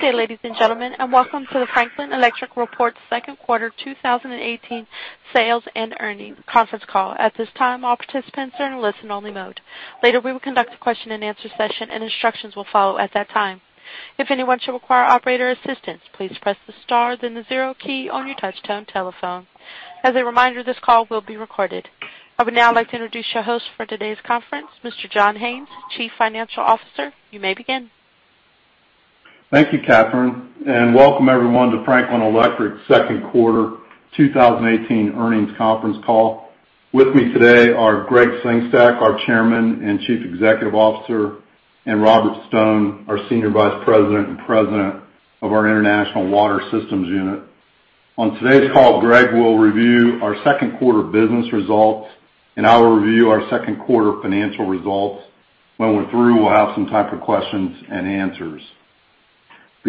Good day, ladies and gentlemen, and welcome to the Franklin Electric report's Second Quarter 2018 Sales and Earnings Conference Call. At this time, all participants are in a listen-only mode. Later, we will conduct a Q&A session, and instructions will follow at that time. If anyone should require operator assistance, please press the star, then the zero key on your touch-tone telephone. As a reminder, this call will be recorded. I would now like to introduce your host for today's conference, Mr. John Haines, Chief Financial Officer. You may begin. Thank you, Catherine, and welcome everyone to Franklin Electric's Second Quarter 2018 Earnings Conference Call. With me today are Gregg Sengstack, our Chairman and Chief Executive Officer, and Robert Stone, our Senior Vice President and President of our International Water Systems Unit. On today's call, Gregg will review our second quarter business results, and I will review our second quarter financial results. When we're through, we'll have some time for questions and answers.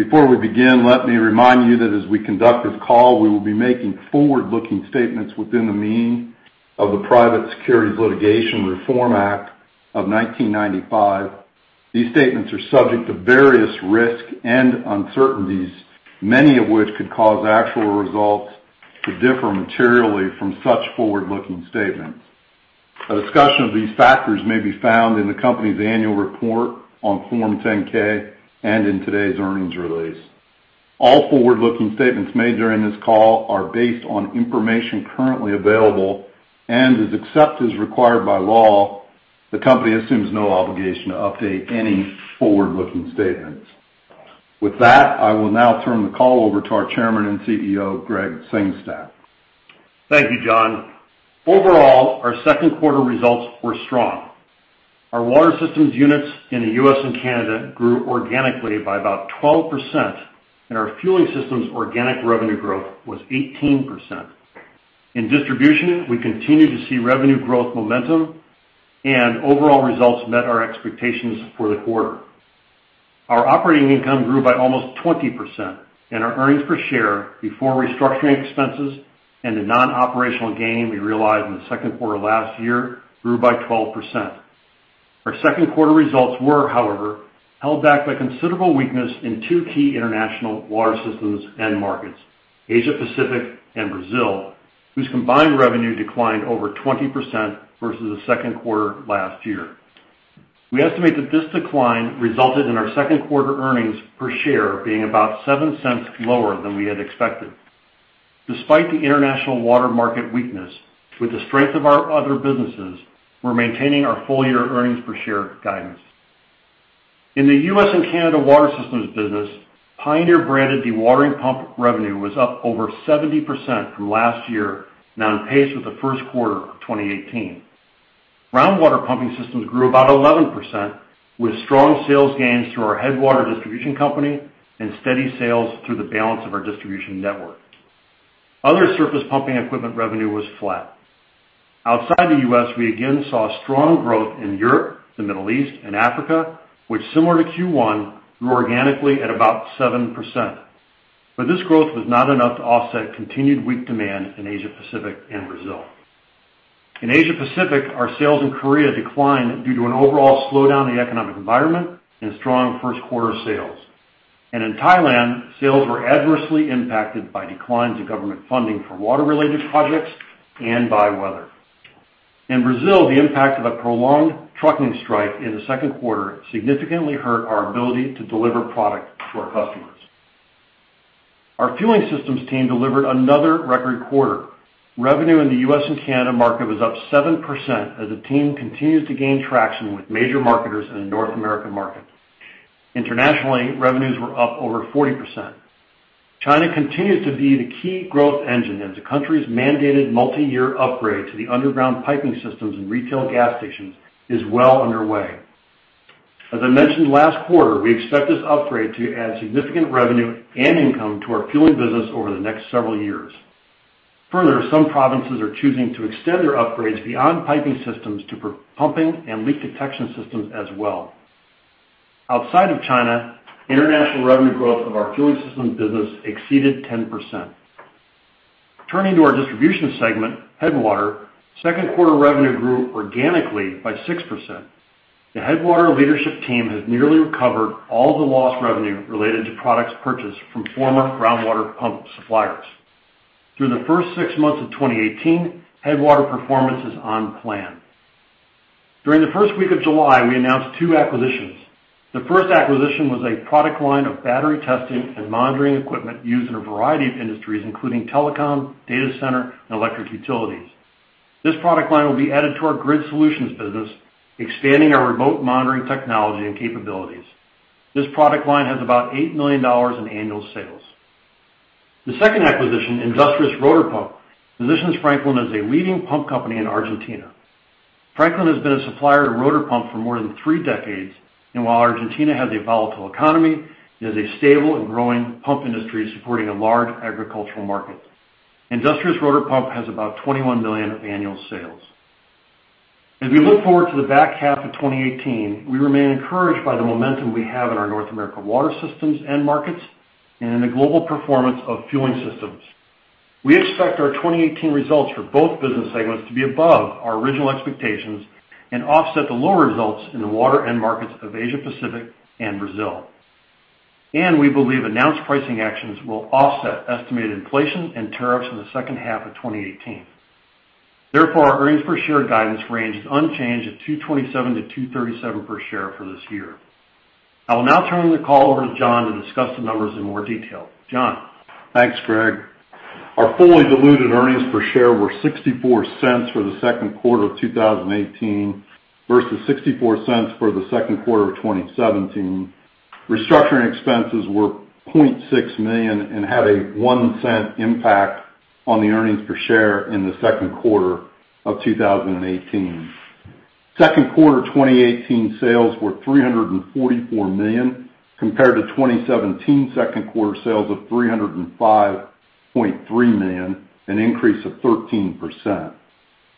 Before we begin, let me remind you that as we conduct this call, we will be making forward-looking statements within the meaning of the Private Securities Litigation Reform Act of 1995. These statements are subject to various risk and uncertainties, many of which could cause actual results to differ materially from such forward-looking statements. A discussion of these factors may be found in the company's annual report on Form 10-K and in today's earnings release. All forward-looking statements made during this call are based on information currently available, and as required by law, the company assumes no obligation to update any forward-looking statements. With that, I will now turn the call over to our Chairman and CEO, Gregg Sengstack. Thank you, John. Overall, our second quarter results were strong. Our water systems units in the U.S. and Canada grew organically by about 12%, and our fueling systems organic revenue growth was 18%. In distribution, we continue to see revenue growth momentum, and overall results met our expectations for the quarter. Our operating income grew by almost 20%, and our earnings per share before restructuring expenses and the non-operational gain we realized in the second quarter last year grew by 12%. Our second quarter results were, however, held back by considerable weakness in two key international water systems and markets: Asia-Pacific and Brazil, whose combined revenue declined over 20% versus the second quarter last year. We estimate that this decline resulted in our second quarter earnings per share being about $0.07 lower than we had expected. Despite the international water market weakness, with the strength of our other businesses, we're maintaining our full-year earnings per share guidance. In the U.S. and Canada water systems business, Pioneer-branded dewatering pump revenue was up over 70% from last year, now on pace with the first quarter of 2018. Groundwater pumping systems grew about 11%, with strong sales gains through our Headwater distribution company and steady sales through the balance of our distribution network. Other surface pumping equipment revenue was flat. Outside the U.S., we again saw strong growth in Europe, the Middle East, and Africa, which, similar to Q1, grew organically at about 7%. But this growth was not enough to offset continued weak demand in Asia-Pacific and Brazil. In Asia-Pacific, our sales in Korea declined due to an overall slowdown in the economic environment and strong first-quarter sales. In Thailand, sales were adversely impacted by declines in government funding for water-related projects and by weather. In Brazil, the impact of a prolonged trucking strike in the second quarter significantly hurt our ability to deliver product to our customers. Our fueling systems team delivered another record quarter. Revenue in the U.S. and Canada market was up 7% as the team continues to gain traction with major marketers in the North American market. Internationally, revenues were up over 40%. China continues to be the key growth engine, and the country's mandated multi-year upgrade to the underground piping systems in retail gas stations is well underway. As I mentioned last quarter, we expect this upgrade to add significant revenue and income to our fueling business over the next several years. Further, some provinces are choosing to extend their upgrades beyond piping systems to pumping and leak detection systems as well. Outside of China, international revenue growth of our fueling systems business exceeded 10%. Turning to our distribution segment, Headwater, second quarter revenue grew organically by 6%. The Headwater leadership team has nearly recovered all the lost revenue related to products purchased from former groundwater pump suppliers. Through the first six months of 2018, Headwater performance is on plan. During the first week of July, we announced two acquisitions. The first acquisition was a product line of battery testing and monitoring equipment used in a variety of industries, including telecom, data center, and electric utilities. This product line will be added to our grid solutions business, expanding our remote monitoring technology and capabilities. This product line has about $8 million in annual sales. The second acquisition, Industrias Rotor Pump, positions Franklin as a leading pump company in Argentina. Franklin has been a supplier of rotor pumps for more than three decades, and while Argentina has a volatile economy, it is a stable and growing pump industry supporting a large agricultural market. Industrias Rotor Pump has about $21 million of annual sales. As we look forward to the back half of 2018, we remain encouraged by the momentum we have in our North American water systems and markets and in the global performance of fueling systems. We expect our 2018 results for both business segments to be above our original expectations and offset the lower results in the water and markets of Asia-Pacific and Brazil. We believe announced pricing actions will offset estimated inflation and tariffs in the second half of 2018. Therefore, our earnings per share guidance range is unchanged at $227-$237 per share for this year. I will now turn the call over to John to discuss the numbers in more detail. John. Thanks, Gregg. Our fully diluted earnings per share were $0.64 for the second quarter of 2018 versus $0.64 for the second quarter of 2017. Restructuring expenses were $0.6 million and had a $0.01 impact on the earnings per share in the second quarter of 2018. Second quarter 2018 sales were $344 million compared to 2017 second quarter sales of $305.3 million, an increase of 13%.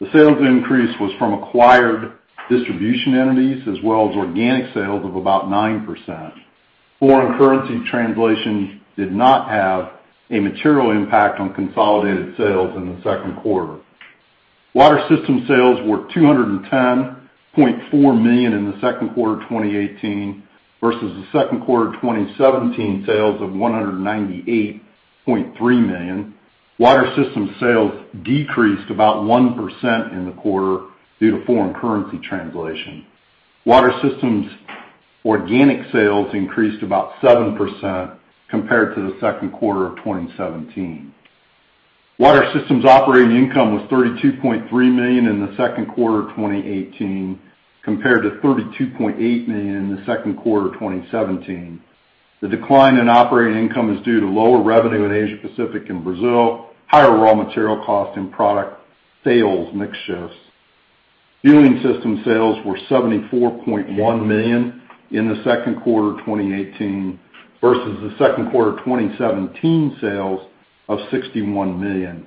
The sales increase was from acquired distribution entities as well as organic sales of about 9%. Foreign currency translation did not have a material impact on consolidated sales in the second quarter. Water Systems sales were $210.4 million in the second quarter 2018 versus the second quarter 2017 sales of $198.3 million. Water Systems sales decreased about 1% in the quarter due to foreign currency translation. Water Systems organic sales increased about 7% compared to the second quarter of 2017. Water systems operating income was $32.3 million in the second quarter 2018 compared to $32.8 million in the second quarter 2017. The decline in operating income is due to lower revenue in Asia-Pacific and Brazil, higher raw material cost, and product sales mix-shifts. Fueling systems sales were $74.1 million in the second quarter 2018 versus the second quarter 2017 sales of $61 million.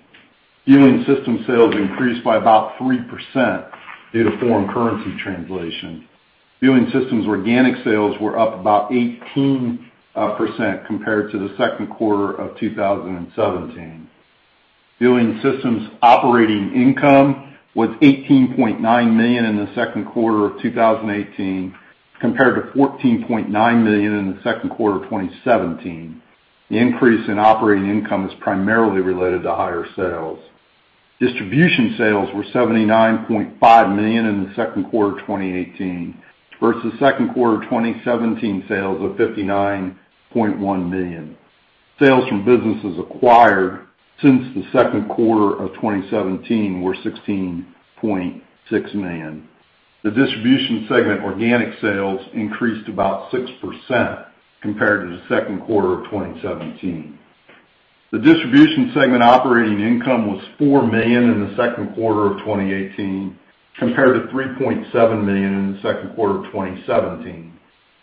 Fueling systems sales increased by about 3% due to foreign currency translation. Fueling systems organic sales were up about 18% compared to the second quarter of 2017. Fueling systems operating income was $18.9 million in the second quarter of 2018 compared to $14.9 million in the second quarter of 2017. The increase in operating income is primarily related to higher sales. Distribution sales were $79.5 million in the second quarter 2018 versus second quarter 2017 sales of $59.1 million. Sales from businesses acquired since the second quarter of 2017 were $16.6 million. The distribution segment organic sales increased about 6% compared to the second quarter of 2017. The distribution segment operating income was $4 million in the second quarter of 2018 compared to $3.7 million in the second quarter of 2017.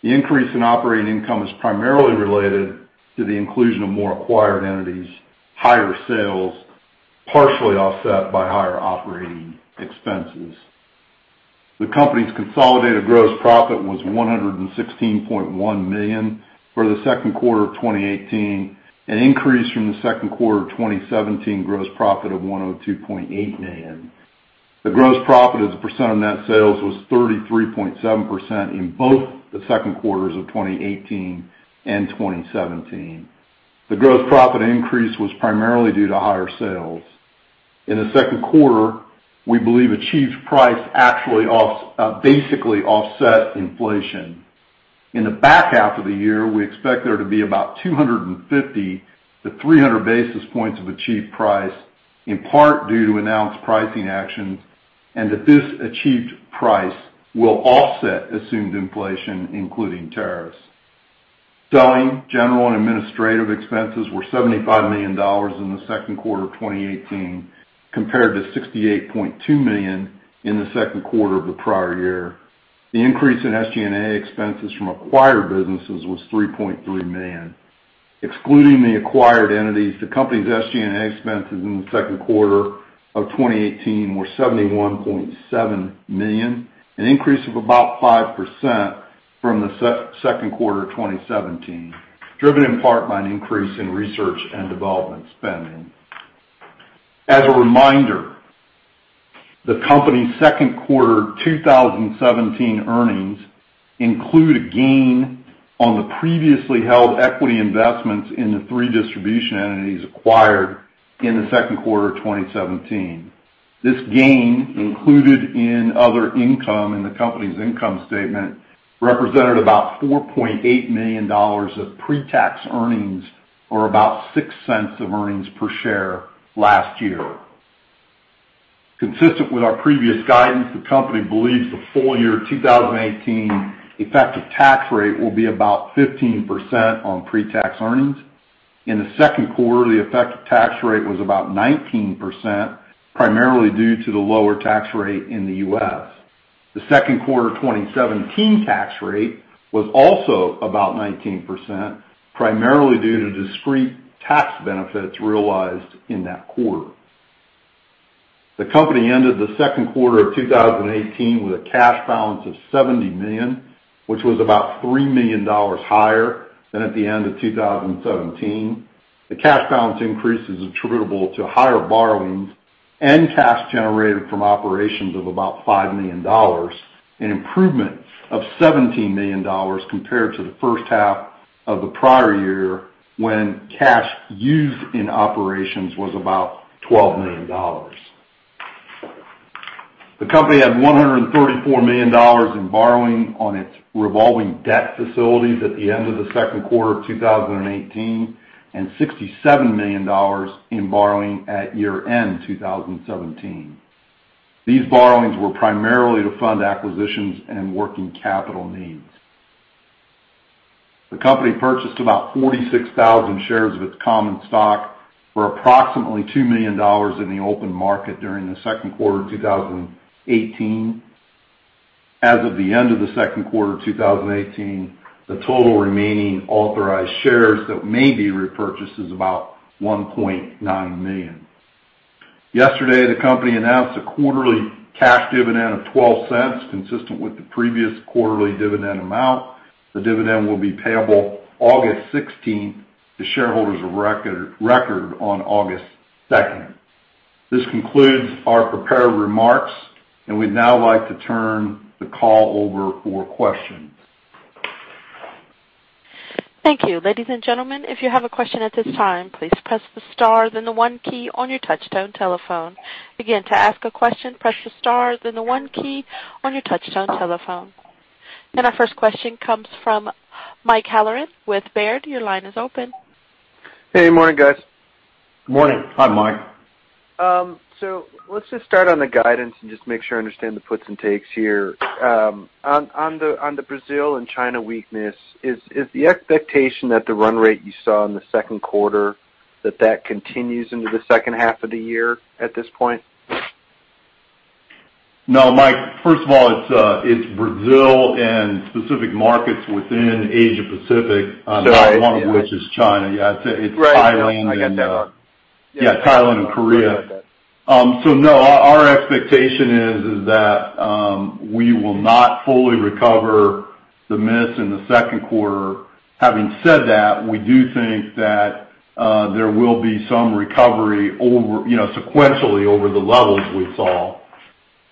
The increase in operating income is primarily related to the inclusion of more acquired entities, higher sales, partially offset by higher operating expenses. The company's consolidated gross profit was $116.1 million for the second quarter of 2018, an increase from the second quarter of 2017 gross profit of $102.8 million. The gross profit as a percent of net sales was 33.7% in both the second quarters of 2018 and 2017. The gross profit increase was primarily due to higher sales. In the second quarter, we believe achieved price actually basically offset inflation. In the back half of the year, we expect there to be about 250-300 basis points of achieved price, in part due to announced pricing actions, and that this achieved price will offset assumed inflation, including tariffs. Selling, general, and administrative expenses were $75 million in the second quarter of 2018 compared to $68.2 million in the second quarter of the prior year. The increase in SG&A expenses from acquired businesses was $3.3 million. Excluding the acquired entities, the company's SG&A expenses in the second quarter of 2018 were $71.7 million, an increase of about 5% from the second quarter of 2017, driven in part by an increase in research and development spending. As a reminder, the company's second quarter 2017 earnings include a gain on the previously held equity investments in the three distribution entities acquired in the second quarter of 2017. This gain, included in other income in the company's income statement, represented about $4.8 million of pre-tax earnings or about $0.06 of earnings per share last year. Consistent with our previous guidance, the company believes the full-year 2018 effective tax rate will be about 15% on pre-tax earnings. In the second quarter, the effective tax rate was about 19%, primarily due to the lower tax rate in the U.S. The second quarter 2017 tax rate was also about 19%, primarily due to discrete tax benefits realized in that quarter. The company ended the second quarter of 2018 with a cash balance of $70 million, which was about $3 million higher than at the end of 2017. The cash balance increase is attributable to higher borrowings and cash generated from operations of about $5 million, an improvement of $17 million compared to the first half of the prior year when cash used in operations was about $12 million. The company had $134 million in borrowing on its revolving debt facilities at the end of the second quarter of 2018 and $67 million in borrowing at year-end 2017. These borrowings were primarily to fund acquisitions and working capital needs. The company purchased about 46,000 shares of its common stock for approximately $2 million in the open market during the second quarter of 2018. As of the end of the second quarter of 2018, the total remaining authorized shares that may be repurchased is about $1.9 million. Yesterday, the company announced a quarterly cash dividend of $0.12, consistent with the previous quarterly dividend amount. The dividend will be payable August 16th to shareholders of record on August 2nd. This concludes our prepared remarks, and we'd now like to turn the call over for questions. Thank you. Ladies and gentlemen, if you have a question at this time, please press the star, then the one key on your touch-tone telephone. Again, to ask a question, press the star, then the one key on your touch-tone telephone. And our first question comes from Mike Halloran with Baird. Your line is open. Hey. Morning, guys. Morning. Hi, Mike. Let's just start on the guidance and just make sure I understand the puts and takes here. On the Brazil and China weakness, is the expectation that the run rate you saw in the second quarter that continues into the second half of the year at this point? No, Mike. First of all, it's Brazil and specific markets within Asia-Pacific, one of which is China. Yeah. It's Thailand and. Right. I got that one. Yeah. Thailand and Korea. So no, our expectation is that we will not fully recover the miss in the second quarter. Having said that, we do think that there will be some recovery sequentially over the levels we saw.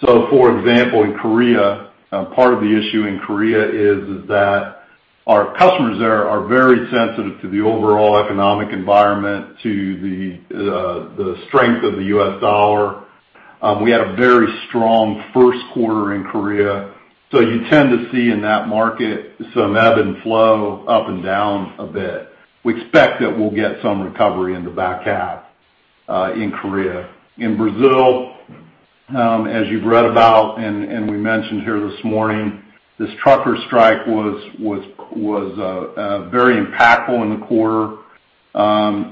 So for example, in Korea, part of the issue in Korea is that our customers there are very sensitive to the overall economic environment, to the strength of the U.S. dollar. We had a very strong first quarter in Korea, so you tend to see in that market some ebb and flow up and down a bit. We expect that we'll get some recovery in the back half in Korea. In Brazil, as you've read about and we mentioned here this morning, this trucker strike was very impactful in the quarter.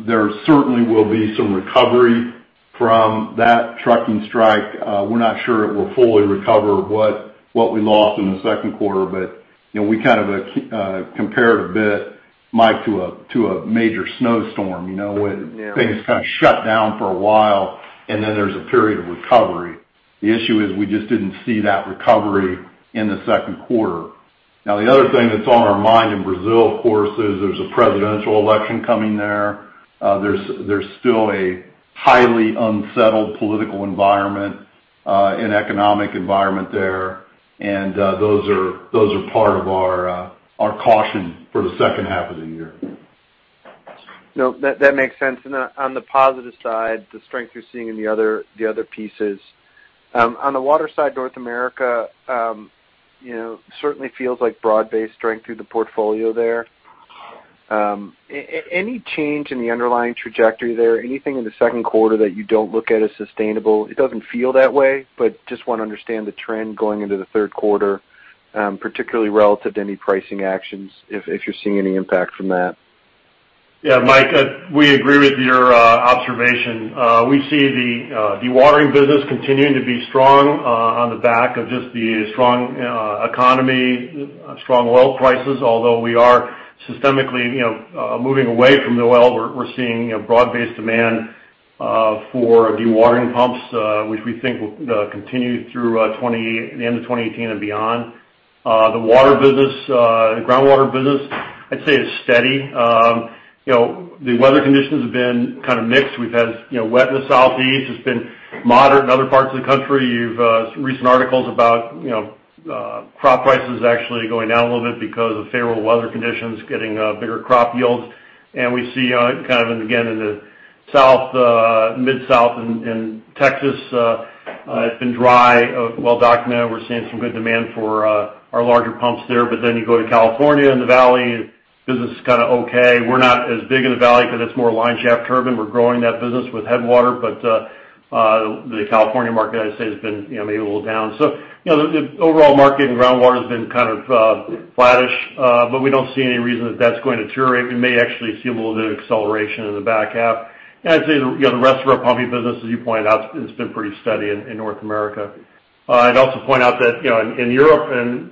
There certainly will be some recovery from that trucking strike. We're not sure it will fully recover what we lost in the second quarter, but we kind of compared a bit, Mike, to a major snowstorm, when things kind of shut down for a while and then there's a period of recovery. The issue is we just didn't see that recovery in the second quarter. Now, the other thing that's on our mind in Brazil, of course, is there's a presidential election coming there. There's still a highly unsettled political environment and economic environment there, and those are part of our caution for the second half of the year. No, that makes sense. On the positive side, the strength you're seeing in the other pieces. On the water side, North America certainly feels like broad-based strength through the portfolio there. Any change in the underlying trajectory there, anything in the second quarter that you don't look at as sustainable? It doesn't feel that way, but just want to understand the trend going into the third quarter, particularly relative to any pricing actions if you're seeing any impact from that. Yeah, Mike, we agree with your observation. We see the dewatering business continuing to be strong on the back of just the strong economy, strong oil prices, although we are systematically moving away from the oil. We're seeing broad-based demand for dewatering pumps, which we think will continue through the end of 2018 and beyond. The groundwater business, I'd say, is steady. The weather conditions have been kind of mixed. We've had wet in the Southeast. It's been moderate in other parts of the country. You've read some articles about crop prices actually going down a little bit because of favorable weather conditions, getting bigger crop yields. And we see kind of, again, in the Mid-South and Texas, it's been dry, well-documented. We're seeing some good demand for our larger pumps there. But then you go to California and the valley, business is kind of okay. We're not as big in the valley because it's more line shaft turbine. We're growing that business with Headwater, but the California market, I'd say, has been maybe a little down. So the overall market in groundwater has been kind of flattish, but we don't see any reason that that's going to deteriorate. We may actually see a little bit of acceleration in the back half. And I'd say the rest of our pumping business, as you pointed out, it's been pretty steady in North America. I'd also point out that in Europe and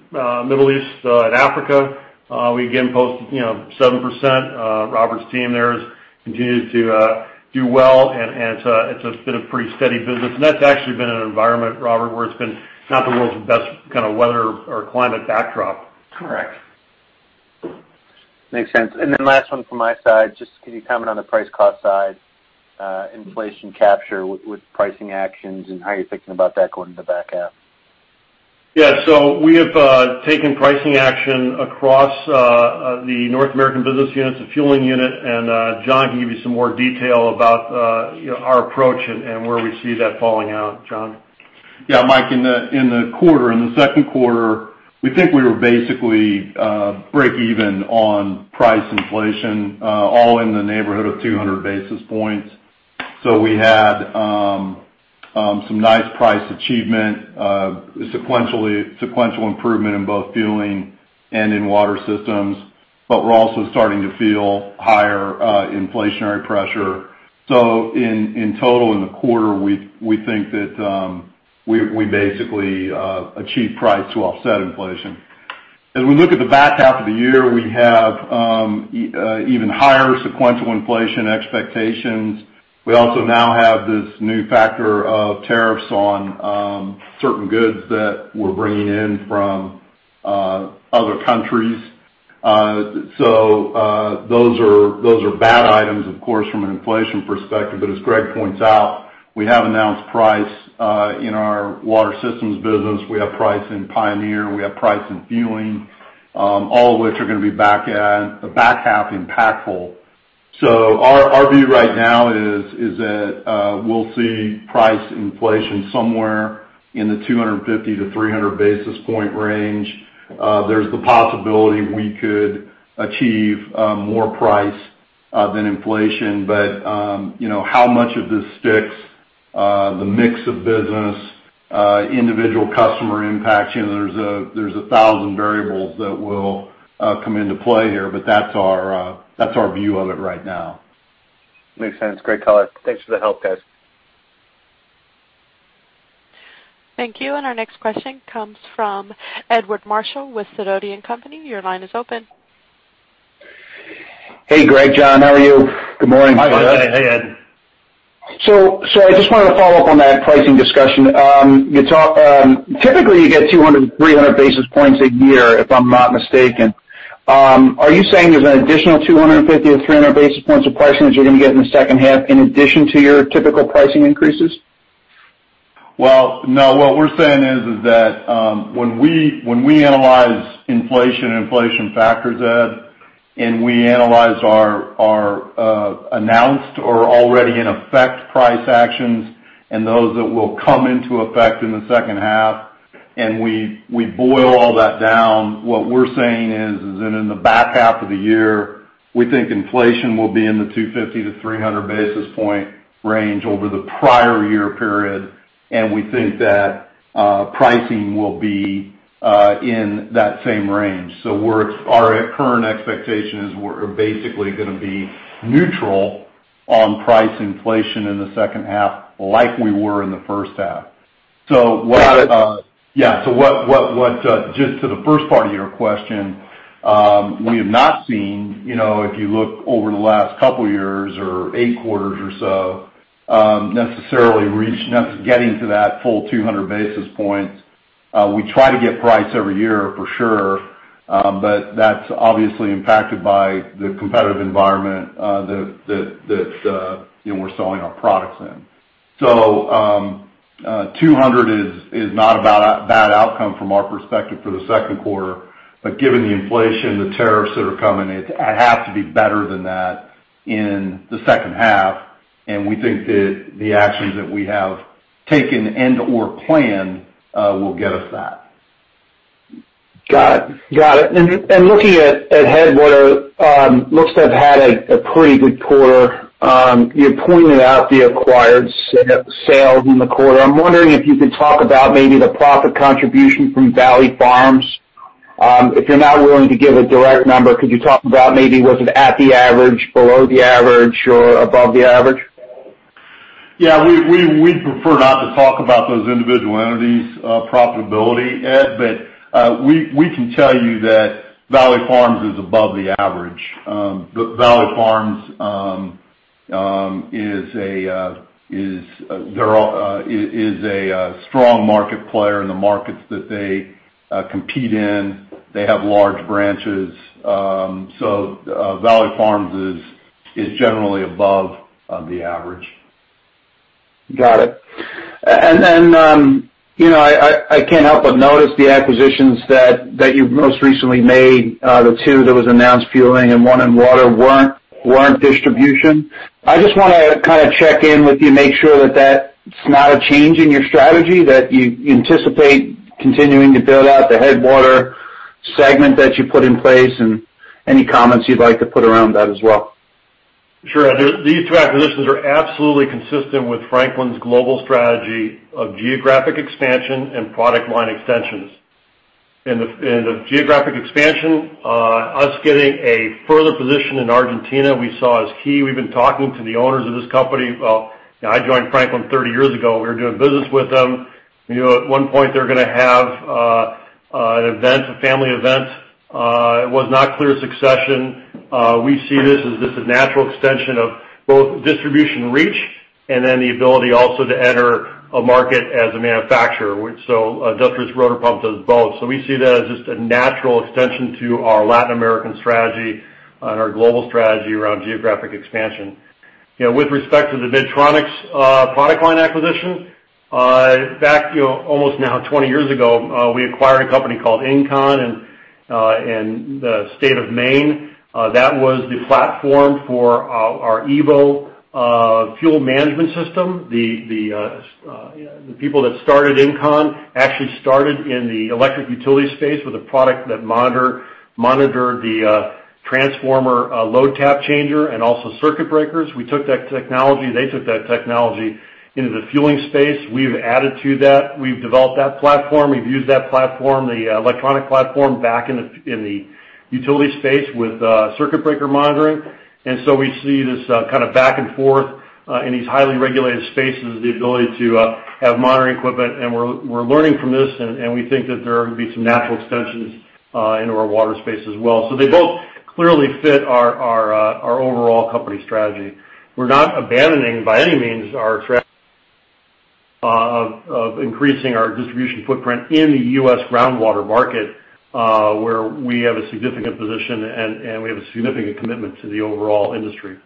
Middle East and Africa, we again posted 7%. Robert's team there continues to do well, and it's been a pretty steady business. And that's actually been an environment, Robert, where it's been not the world's best kind of weather or climate backdrop. Correct. Makes sense. And then last one from my side, just could you comment on the price-cost side, inflation capture with pricing actions, and how you're thinking about that going into the back half? Yeah. So we have taken pricing action across the North American business units, the fueling unit. And John can give you some more detail about our approach and where we see that falling out. John? Yeah, Mike. In the second quarter, we think we were basically break-even on price inflation, all in the neighborhood of 200 basis points. So we had some nice price achievement, sequential improvement in both fueling and in water systems, but we're also starting to feel higher inflationary pressure. So in total, in the quarter, we think that we basically achieved price to offset inflation. As we look at the back half of the year, we have even higher sequential inflation expectations. We also now have this new factor of tariffs on certain goods that we're bringing in from other countries. So those are bad items, of course, from an inflation perspective. But as Greg points out, we have announced price in our water systems business. We have price in Pioneer. We have price in fueling, all of which are going to be back half impactful. Our view right now is that we'll see price inflation somewhere in the 250-300 basis point range. There's the possibility we could achieve more price than inflation, but how much of this sticks, the mix of business, individual customer impact? There's 1,000 variables that will come into play here, but that's our view of it right now. Makes sense. Great color, thanks for the help, guys. Thank you. Our next question comes from Edward Marshall with Sidoti & Company. Your line is open. Hey, Gregg. John, how are you? Good morning. Hi, Mike. Hey, Ed. I just wanted to follow up on that pricing discussion. Typically, you get 200-300 basis points a year, if I'm not mistaken. Are you saying there's an additional 250-300 basis points of pricing that you're going to get in the second half in addition to your typical pricing increases? Well, no. What we're saying is that when we analyze inflation and inflation factors, Ed, and we analyze our announced or already-in-effect price actions and those that will come into effect in the second half, and we boil all that down, what we're saying is that in the back half of the year, we think inflation will be in the 250-300 basis point range over the prior year period, and we think that pricing will be in that same range. So our current expectation is we're basically going to be neutral on price inflation in the second half like we were in the first half. So what... Got it. Yeah. So just to the first part of your question, we have not seen, if you look over the last couple of years or 8 quarters or so, necessarily getting to that full 200 basis points. We try to get price every year, for sure, but that's obviously impacted by the competitive environment that we're selling our products in. So 200 is not a bad outcome from our perspective for the second quarter, but given the inflation, the tariffs that are coming, it has to be better than that in the second half. And we think that the actions that we have taken and/or planned will get us that. Got it. Got it. And looking at Headwater, looks to have had a pretty good quarter. You pointed out the acquired sales in the quarter. I'm wondering if you could talk about maybe the profit contribution from Valley Farms. If you're not willing to give a direct number, could you talk about maybe was it at the average, below the average, or above the average? Yeah. We'd prefer not to talk about those individual entities' profitability, Ed, but we can tell you that Valley Farms is above the average. Valley Farms is a strong market player in the markets that they compete in. They have large branches. So Valley Farms is generally above the average. Got it. And then I can't help but notice the acquisitions that you've most recently made, the two that was announced fueling and one in water, weren't distribution. I just want to kind of check in with you, make sure that that's not a change in your strategy, that you anticipate continuing to build out the Headwater segment that you put in place, and any comments you'd like to put around that as well. Sure. These two acquisitions are absolutely consistent with Franklin's global strategy of geographic expansion and product line extensions. In the geographic expansion, us getting a further position in Argentina, we saw as key. We've been talking to the owners of this company. Well, I joined Franklin 30 years ago. We were doing business with them. At one point, they're going to have an event, a family event. It was not clear succession. We see this as just a natural extension of both distribution reach and then the ability also to enter a market as a manufacturer, so Industrias Rotor Pump does both. So we see that as just a natural extension to our Latin American strategy and our global strategy around geographic expansion. With respect to the Midtronics product line acquisition, almost now 20 years ago, we acquired a company called INCON in the state of Maine. That was the platform for our EVO fuel management system. The people that started INCON actually started in the electric utility space with a product that monitored the transformer load tap changer and also circuit breakers. We took that technology. They took that technology into the fueling space. We've added to that. We've developed that platform. We've used that platform, the electronic platform, back in the utility space with circuit breaker monitoring. And so we see this kind of back and forth in these highly regulated spaces, the ability to have monitoring equipment. And we're learning from this, and we think that there are going to be some natural extensions into our water space as well. So they both clearly fit our overall company strategy. We're not abandoning by any means our strategy of increasing our distribution footprint in the U.S. groundwater market, where we have a significant position and we have a significant commitment to the overall industry.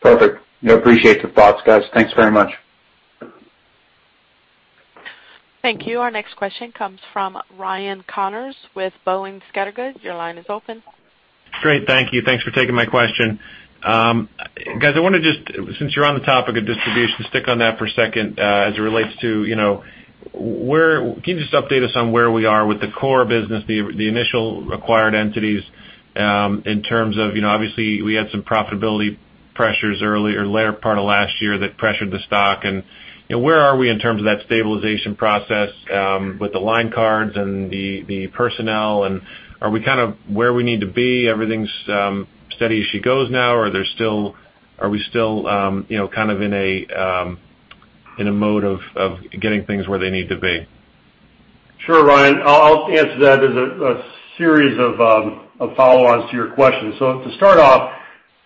Perfect. I appreciate the thoughts, guys. Thanks very much. Thank you. Our next question comes from Ryan Connors with Boenning & Scattergood. Your line is open. Great. Thank you. Thanks for taking my question. Guys, I want to just, since you're on the topic of distribution, stick on that for a second as it relates to can you just update us on where we are with the core business, the initial acquired entities, in terms of obviously, we had some profitability pressures earlier or later part of last year that pressured the stock. Where are we in terms of that stabilization process with the line cards and the personnel? And are we kind of where we need to be? Everything's steady as she goes now, or are we still kind of in a mode of getting things where they need to be? Sure, Ryan. I'll answer that as a series of follow-ons to your question. So to start off,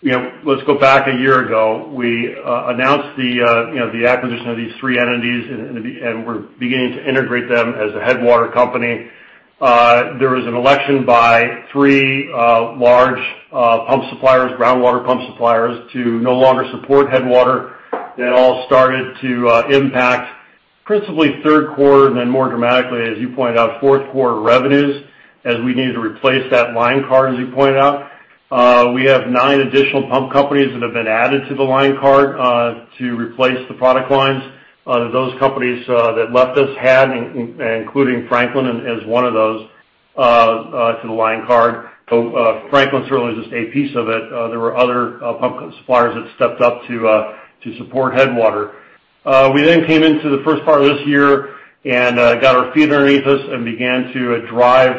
let's go back a year ago. We announced the acquisition of these three entities, and we're beginning to integrate them as a Headwater company. There was an election by three large pump suppliers, groundwater pump suppliers, to no longer support Headwater. That all started to impact, principally, third quarter and then more dramatically, as you pointed out, fourth quarter revenues as we needed to replace that line card, as you pointed out. We have nine additional pump companies that have been added to the line card to replace the product lines. Those companies that left us had, including Franklin as one of those, to the line card. So Franklin certainly was just a piece of it. There were other pump suppliers that stepped up to support Headwater. We then came into the first part of this year and got our feet underneath us and began to drive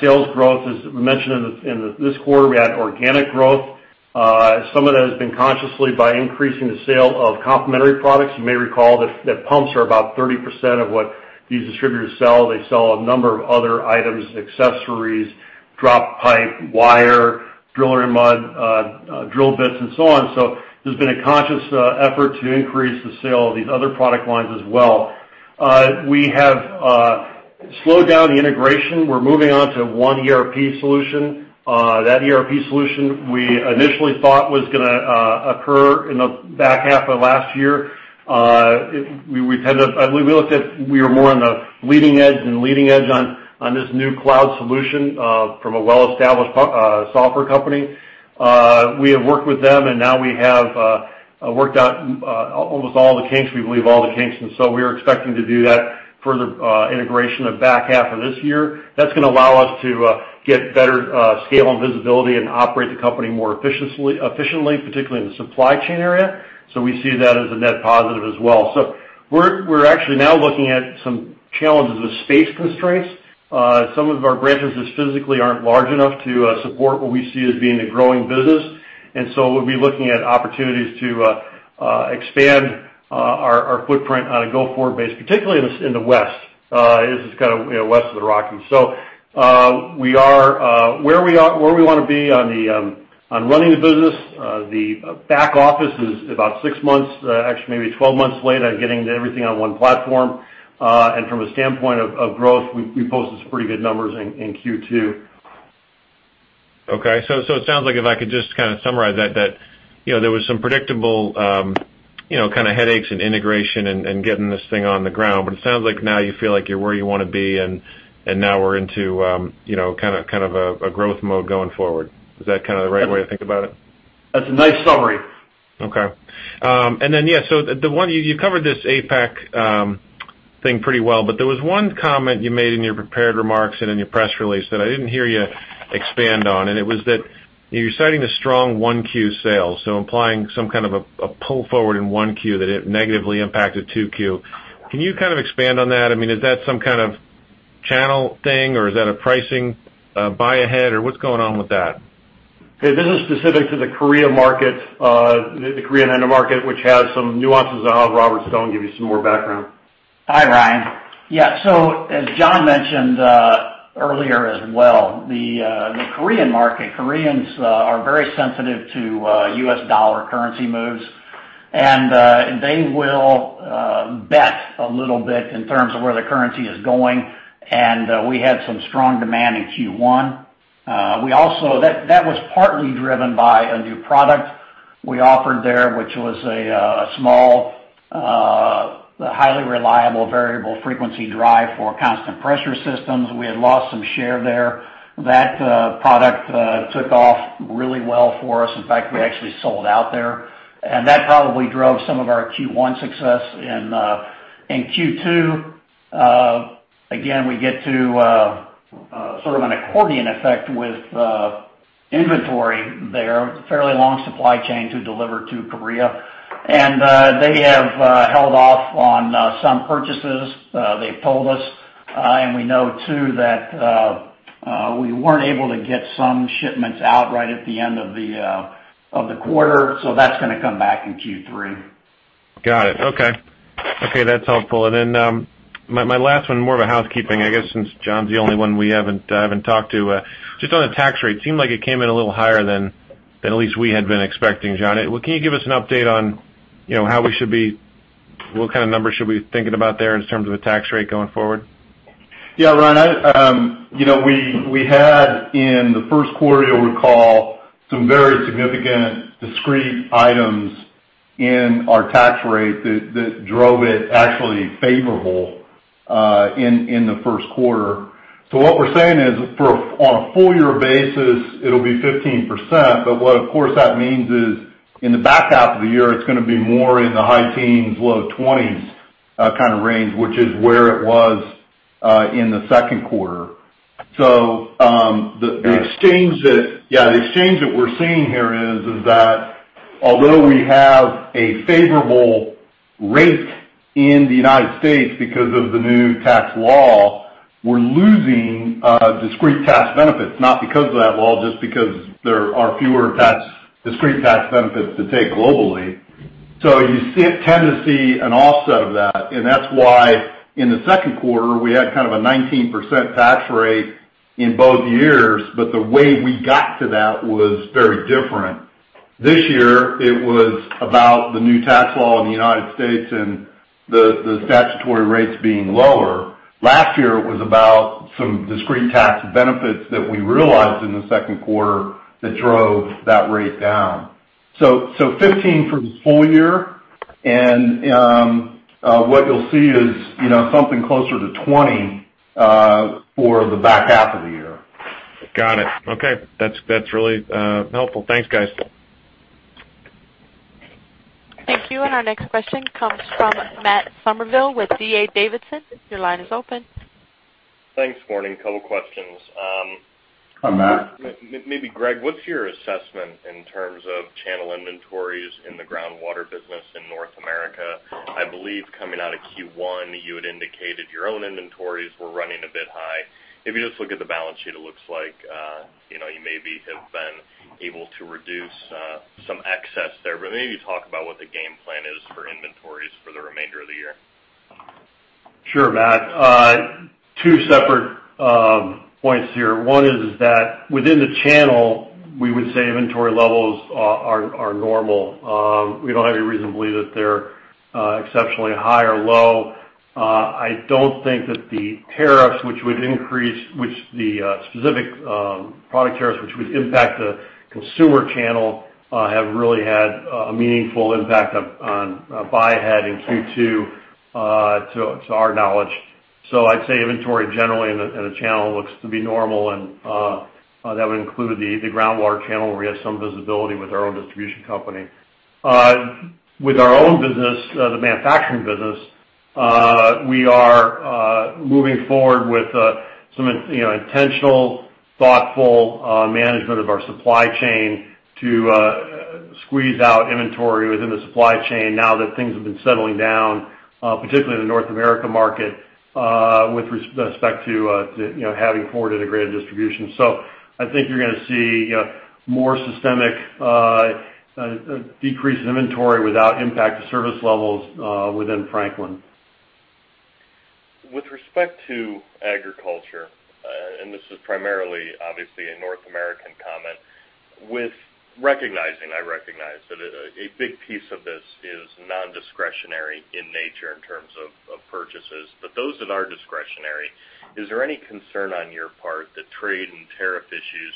sales growth. As we mentioned in this quarter, we had organic growth. Some of that has been consciously by increasing the sale of complementary products. You may recall that pumps are about 30% of what these distributors sell. They sell a number of other items: accessories, drop pipe, wire, driller mud, drill bits, and so on. So there's been a conscious effort to increase the sale of these other product lines as well. We have slowed down the integration. We're moving on to one ERP solution. That ERP solution, we initially thought was going to occur in the back half of last year. We were more on the bleeding edge than leading edge on this new cloud solution from a well-established software company. We have worked with them, and now we have worked out almost all the kinks. We believe all the kinks. And so we are expecting to do that further integration in the back half of this year. That's going to allow us to get better scale and visibility and operate the company more efficiently, particularly in the supply chain area. So we see that as a net positive as well. So we're actually now looking at some challenges with space constraints. Some of our branches just physically aren't large enough to support what we see as being a growing business. And so we'll be looking at opportunities to expand our footprint on a go-forward basis, particularly in the west. This is kind of west of the Rockies. Where we want to be on running the business, the back office is about 6 months, actually maybe 12 months, late on getting everything on one platform. From a standpoint of growth, we posted some pretty good numbers in Q2. Okay. So it sounds like if I could just kind of summarize that, there were some predictable kind of headaches in integration and getting this thing on the ground. But it sounds like now you feel like you're where you want to be, and now we're into kind of a growth mode going forward. Is that kind of the right way to think about it? That's a nice summary. Okay. And then, yeah, so you covered this APAC thing pretty well, but there was one comment you made in your prepared remarks and in your press release that I didn't hear you expand on, and it was that you're citing a strong 1Q sales, so implying some kind of a pull forward in 1Q that it negatively impacted 2Q. Can you kind of expand on that? I mean, is that some kind of channel thing, or is that a pricing buy ahead, or what's going on with that? Hey, this is specific to the Korea market, the Korean end of market, which has some nuances of how Robert Stone gives you some more background. Hi, Ryan. Yeah. So as John mentioned earlier as well, the Korean market, Koreans are very sensitive to US dollar currency moves, and they will bet a little bit in terms of where the currency is going. And we had some strong demand in Q1. That was partly driven by a new product we offered there, which was a small, highly reliable variable frequency drive for constant pressure systems. We had lost some share there. That product took off really well for us. In fact, we actually sold out there. And that probably drove some of our Q1 success. In Q2, again, we get to sort of an accordion effect with inventory there, fairly long supply chain to deliver to Korea. And they have held off on some purchases. They've told us. We know, too, that we weren't able to get some shipments out right at the end of the quarter. That's going to come back in Q3. Got it. Okay. Okay. That's helpful. And then my last one, more of a housekeeping, I guess, since John's the only one we haven't talked to, just on the tax rate, seemed like it came in a little higher than at least we had been expecting, John. Can you give us an update on how we should be what kind of numbers should we be thinking about there in terms of a tax rate going forward? Yeah, Ryan. We had, in the first quarter, you'll recall, some very significant, discrete items in our tax rate that drove it actually favorable in the first quarter. So what we're saying is, on a full-year basis, it'll be 15%. But what, of course, that means is, in the back half of the year, it's going to be more in the high-teens, low 20s kind of range, which is where it was in the second quarter. So the exchange that we're seeing here is that, although we have a favorable rate in the United States because of the new tax law, we're losing discrete tax benefits, not because of that law, just because there are fewer discrete tax benefits to take globally. So you tend to see an offset of that. That's why, in the second quarter, we had kind of a 19% tax rate in both years, but the way we got to that was very different. This year, it was about the new tax law in the United States and the statutory rates being lower. Last year, it was about some discrete tax benefits that we realized in the second quarter that drove that rate down. So 15 for this full year. What you'll see is something closer to 20 for the back half of the year. Got it. Okay. That's really helpful. Thanks, guys. Thank you. Our next question comes from Matt Summerville with D.A. Davidson. Your line is open. Thanks, morning. Couple of questions. Hi, Matt. Maybe Gregg, what's your assessment in terms of channel inventories in the groundwater business in North America? I believe, coming out of Q1, you had indicated your own inventories were running a bit high. If you just look at the balance sheet, it looks like you maybe have been able to reduce some excess there. But maybe talk about what the game plan is for inventories for the remainder of the year. Sure, Matt. Two separate points here. One is that, within the channel, we would say inventory levels are normal. We don't have any reason to believe that they're exceptionally high or low. I don't think that the tariffs, which would increase the specific product tariffs, which would impact the consumer channel, have really had a meaningful impact on buy ahead in Q2, to our knowledge. So I'd say inventory, generally, in the channel looks to be normal. And that would include the groundwater channel, where we have some visibility with our own distribution company. With our own business, the manufacturing business, we are moving forward with some intentional, thoughtful management of our supply chain to squeeze out inventory within the supply chain now that things have been settling down, particularly in the North America market, with respect to having forward integrated distribution. I think you're going to see more systemic decrease in inventory without impact to service levels within Franklin. With respect to agriculture, and this is primarily, obviously, a North American comment, recognizing, I recognize that a big piece of this is nondiscretionary in nature in terms of purchases, but those that are discretionary, is there any concern on your part that trade and tariff issues,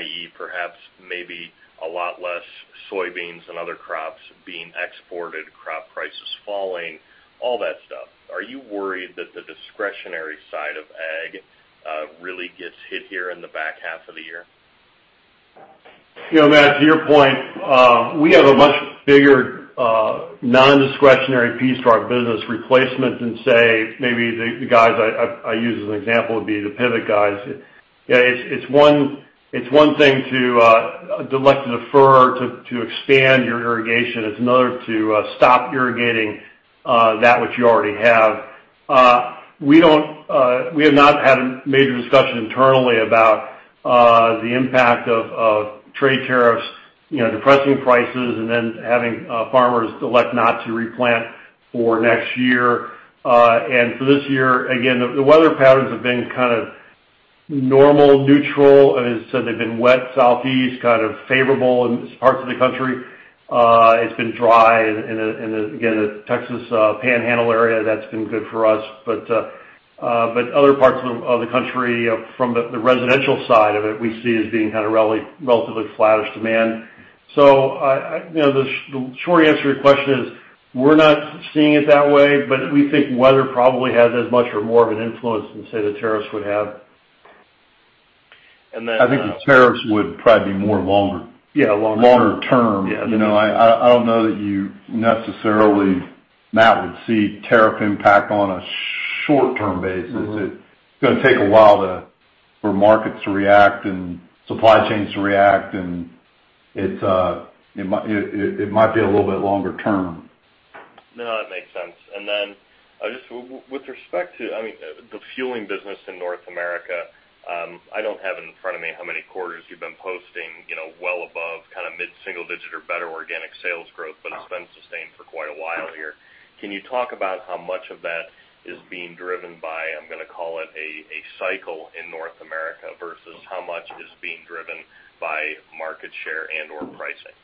i.e., perhaps maybe a lot less soybeans and other crops being exported, crop prices falling, all that stuff, are you worried that the discretionary side of ag really gets hit here in the back half of the year? Yeah, Matt. To your point, we have a much bigger nondiscretionary piece to our business replacement than, say, maybe the guys I use as an example would be the pivot guys. Yeah, it's one thing to elect to defer to expand your irrigation. It's another to stop irrigating that which you already have. We have not had a major discussion internally about the impact of trade tariffs, depressing prices, and then having farmers elect not to replant for next year. And for this year, again, the weather patterns have been kind of normal, neutral. As I said, they've been wet, Southeast, kind of favorable in parts of the country. It's been dry. And again, the Texas Panhandle area, that's been good for us. But other parts of the country, from the residential side of it, we see as being kind of relatively flat-ish demand. The short answer to your question is, we're not seeing it that way, but we think weather probably has as much or more of an influence than, say, the tariffs would have. And then. I think the tariffs would probably be more longer. Yeah, longer term. Longer term. I don't know that you necessarily, Matt, would see tariff impact on a short-term basis. It's going to take a while for markets to react and supply chains to react, and it might be a little bit longer term. No, that makes sense. And then, with respect to, I mean, the fueling business in North America, I don't have in front of me how many quarters you've been posting well above kind of mid-single-digit or better organic sales growth, but it's been sustained for quite a while here. Can you talk about how much of that is being driven by, I'm going to call it, a cycle in North America versus how much is being driven by market share and/or pricing?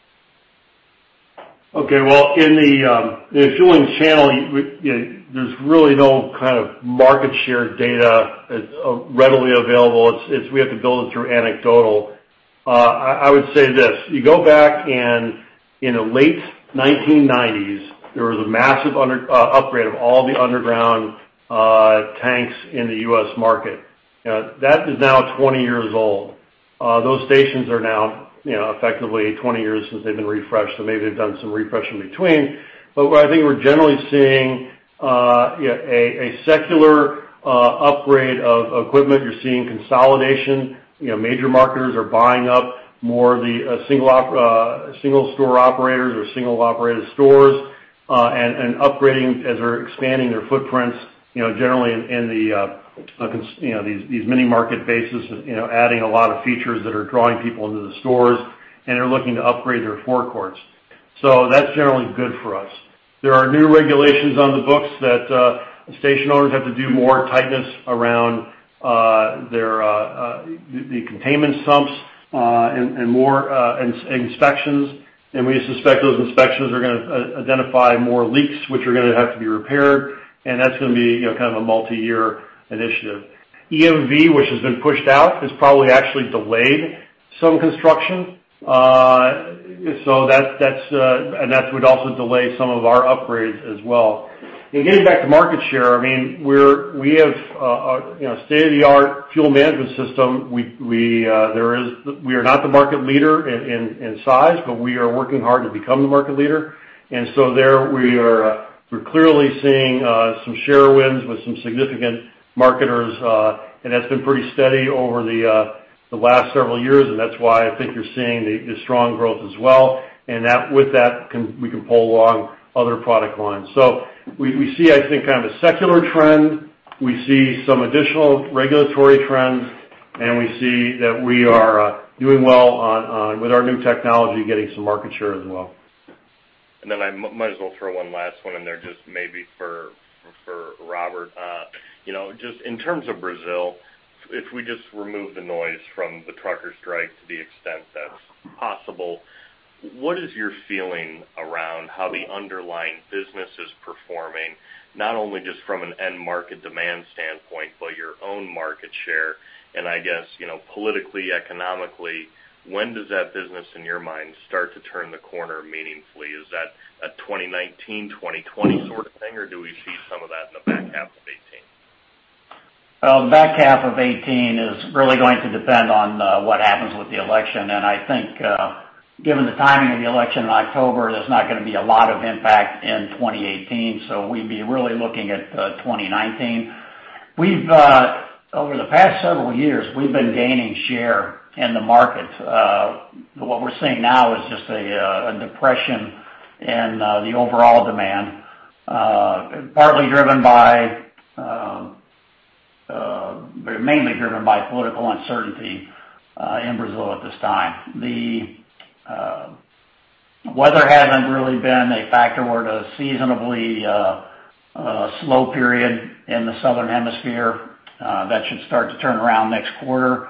Okay. Well, in the fueling channel, there's really no kind of market share data readily available. We have to build it through anecdotal. I would say this: you go back, and in the late 1990s, there was a massive upgrade of all the underground tanks in the U.S. market. That is now 20 years old. Those stations are now effectively 20 years since they've been refreshed. So maybe they've done some refresh in between. But I think we're generally seeing a secular upgrade of equipment. You're seeing consolidation. Major marketers are buying up more of the single-store operators or single-operated stores and upgrading as they're expanding their footprints, generally in these mini-market bases, adding a lot of features that are drawing people into the stores, and they're looking to upgrade their forecourts. So that's generally good for us. There are new regulations on the books that station owners have to do more tightness around the containment sumps. More inspections. We suspect those inspections are going to identify more leaks, which are going to have to be repaired. That's going to be kind of a multi-year initiative. EMV, which has been pushed out, has probably actually delayed some construction. That would also delay some of our upgrades as well. Getting back to market share, I mean, we have a state-of-the-art fuel management system. We are not the market leader in size, but we are working hard to become the market leader. So there, we're clearly seeing some share wins with some significant marketers. That's been pretty steady over the last several years. That's why I think you're seeing the strong growth as well. With that, we can pull along other product lines. We see, I think, kind of a secular trend. We see some additional regulatory trends. We see that we are doing well with our new technology, getting some market share as well. And then I might as well throw one last one in there, just maybe for Robert. Just in terms of Brazil, if we just remove the noise from the Trucker Strike to the extent that's possible, what is your feeling around how the underlying business is performing, not only just from an end-market demand standpoint but your own market share? And I guess, politically, economically, when does that business, in your mind, start to turn the corner meaningfully? Is that a 2019, 2020 sort of thing, or do we see some of that in the back half of 2018? Well, the back half of 2018 is really going to depend on what happens with the election. And I think, given the timing of the election in October, there's not going to be a lot of impact in 2018. So we'd be really looking at 2019. Over the past several years, we've been gaining share in the markets. What we're seeing now is just a depression in the overall demand, partly driven by mainly driven by political uncertainty in Brazil at this time. The weather hasn't really been a factor where it's a seasonally slow period in the southern hemisphere. That should start to turn around next quarter.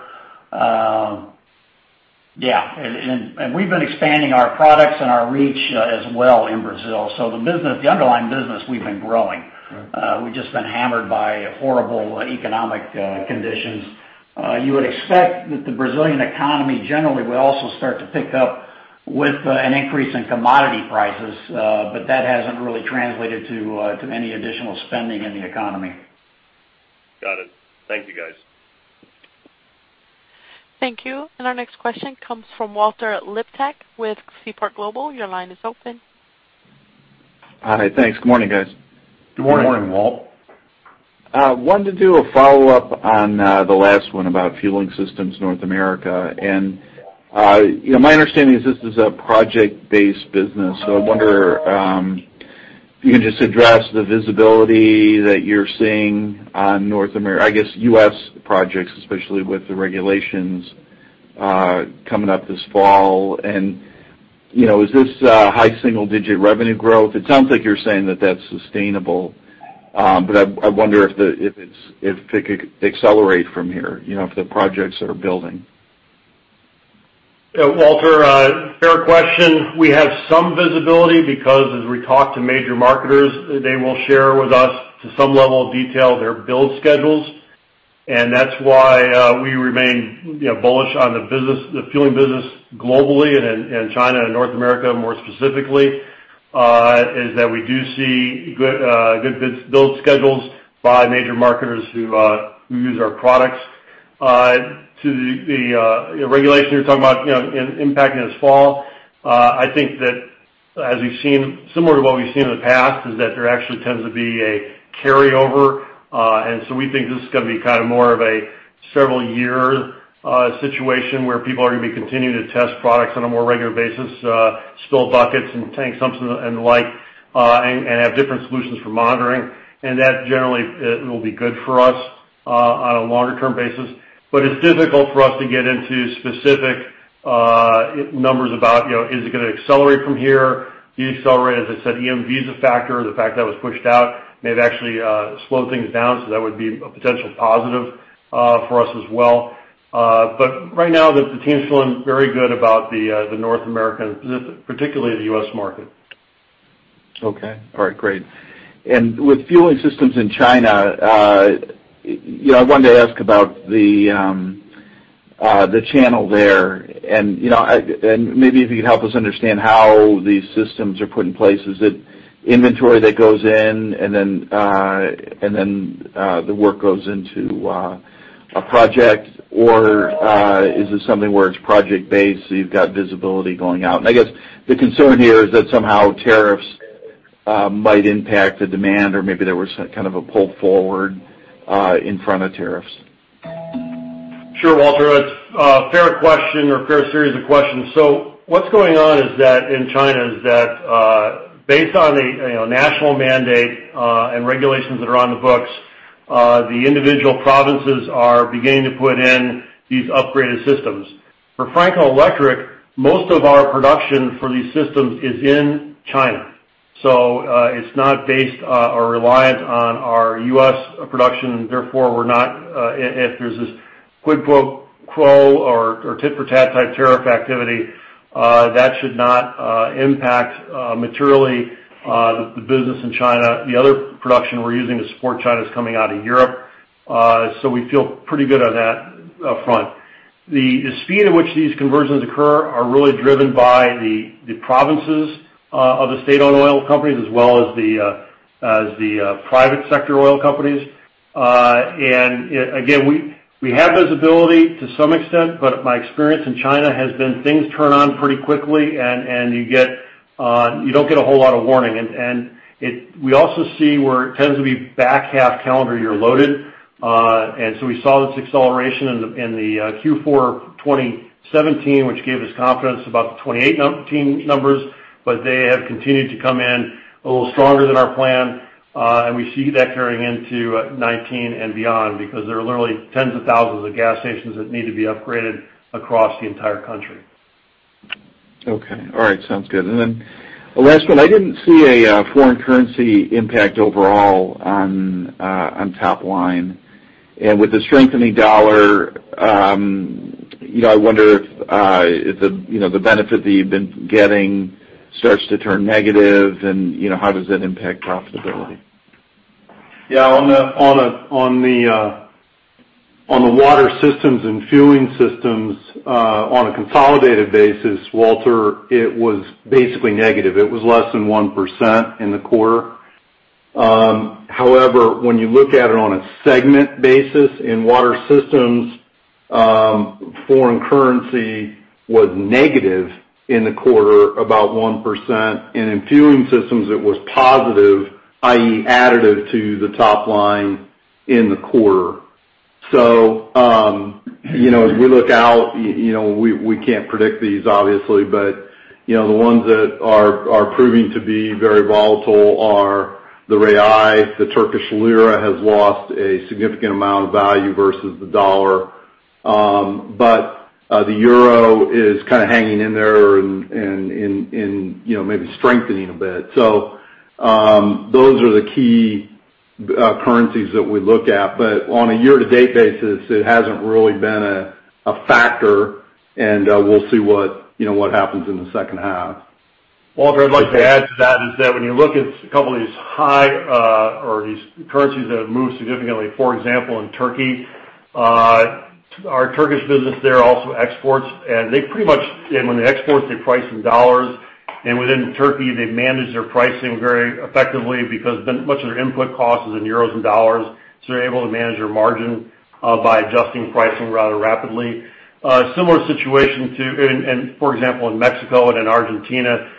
Yeah. And we've been expanding our products and our reach as well in Brazil. So the underlying business, we've been growing. We've just been hammered by horrible economic conditions. You would expect that the Brazilian economy, generally, will also start to pick up with an increase in commodity prices. But that hasn't really translated to any additional spending in the economy. Got it. Thank you, guys. Thank you. Our next question comes from Walter Liptak with Seaport Global. Your line is open. Hi. Thanks. Good morning, guys. Good morning. Good morning, Walt. Wanted to do a follow-up on the last one about fueling systems in North America. My understanding is this is a project-based business. I wonder if you can just address the visibility that you're seeing on North America I guess, U.S. projects, especially with the regulations coming up this fall. Is this high single-digit revenue growth? It sounds like you're saying that that's sustainable. I wonder if it could accelerate from here, if the projects are building. Yeah, Walter, fair question. We have some visibility because, as we talk to major marketers, they will share with us, to some level of detail, their build schedules. And that's why we remain bullish on the fueling business globally and in China and North America more specifically, is that we do see good build schedules by major marketers who use our products. To the regulation you're talking about impacting this fall, I think that, similar to what we've seen in the past, is that there actually tends to be a carryover. And so we think this is going to be kind of more of a several-year situation where people are going to be continuing to test products on a more regular basis; spill buckets and tank sumps, and the like, and have different solutions for monitoring. And that, generally, will be good for us on a longer-term basis. But it's difficult for us to get into specific numbers about, "Is it going to accelerate from here?" Do you accelerate? As I said, EMV is a factor. The fact that it was pushed out may have actually slowed things down. So that would be a potential positive for us as well. But right now, the team's feeling very good about the North American, particularly the U.S. market. Okay. All right. Great. And with fueling systems in China, I wanted to ask about the channel there. And maybe if you could help us understand how these systems are put in place. Is it inventory that goes in, and then the work goes into a project? Or is this something where it's project-based, so you've got visibility going out? And I guess the concern here is that, somehow, tariffs might impact the demand, or maybe there was kind of a pull forward in front of tariffs. Sure, Walter. It's a fair question or a fair series of questions. So what's going on in China is that, based on the national mandate and regulations that are on the books, the individual provinces are beginning to put in these upgraded systems. For Franklin Electric, most of our production for these systems is in China. So it's not based or reliant on our U.S. production. Therefore, if there's this "quid pro quo" or "tit for tat" type tariff activity, that should not impact materially the business in China. The other production we're using to support China is coming out of Europe. So we feel pretty good on that front. The speed at which these conversions occur are really driven by the provinces of the state-owned oil companies as well as the private sector oil companies. And again, we have visibility to some extent. But my experience in China has been things turn on pretty quickly, and you don't get a whole lot of warning. And we also see where it tends to be back half calendar year loaded. And so we saw this acceleration in the Q4 2017, which gave us confidence about the 2018 numbers. But they have continued to come in a little stronger than our plan. And we see that carrying into 2019 and beyond because there are literally tens of thousands of gas stations that need to be upgraded across the entire country. Okay. All right. Sounds good. And then the last one, I didn't see a foreign currency impact overall on top line. And with the strengthening dollar, I wonder if the benefit that you've been getting starts to turn negative. And how does that impact profitability? Yeah. On the water systems and fueling systems, on a consolidated basis, Walter, it was basically negative. It was less than 1% in the quarter. However, when you look at it on a segment basis, in water systems, foreign currency was negative in the quarter, about 1%. And in fueling systems, it was positive, i.e., additive to the top line in the quarter. So as we look out, we can't predict these, obviously. But the ones that are proving to be very volatile are the Real. The Turkish lira has lost a significant amount of value versus the dollar. But the euro is kind of hanging in there and maybe strengthening a bit. So those are the key currencies that we look at. But on a year-to-date basis, it hasn't really been a factor. And we'll see what happens in the second half. Walter, I'd like to add to that is that, when you look at a couple of these high or these currencies that have moved significantly, for example, in Turkey, our Turkish business there also exports. And when they export, they price in dollars. And within Turkey, they manage their pricing very effectively because much of their input cost is in euros and dollars. So they're able to manage their margin by adjusting pricing rather rapidly. Similar situation to. And for example, in Mexico and in Argentina,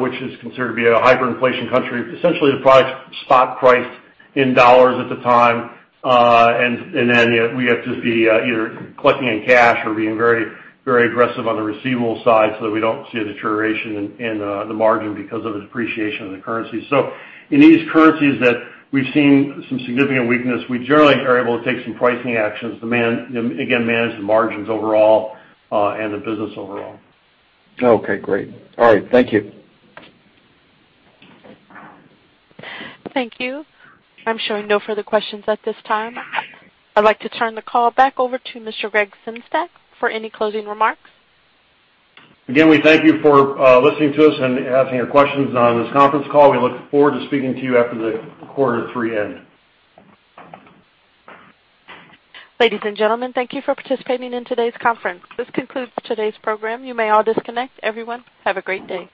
which is considered to be a hyperinflation country, essentially, the products spot priced in dollars at the time. And then we have to just be either collecting in cash or being very, very aggressive on the receivable side so that we don't see a deterioration in the margin because of a depreciation of the currency. In these currencies that we've seen some significant weakness, we generally are able to take some pricing actions, again, manage the margins overall and the business overall. Okay. Great. All right. Thank you. Thank you. I'm showing no further questions at this time. I'd like to turn the call back over to Mr. Gregg Sengstack for any closing remarks. Again, we thank you for listening to us and asking your questions on this conference call. We look forward to speaking to you after the quarter three end. Ladies and gentlemen, thank you for participating in today's conference. This concludes today's program. You may all disconnect. Everyone, have a great day.